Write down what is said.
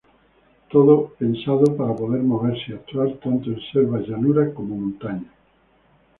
Todo pensado para poder moverse y actuar tanto en selvas, llanuras y montañas.